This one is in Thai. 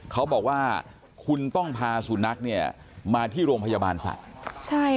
เขาบอกว่าคุณต้องพาสุนัขเนี่ยมาที่โรงพยาบาลสัตว์ใช่